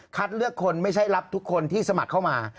เลือกคนไม่ใช่รับทุกคนที่สมัครเข้ามา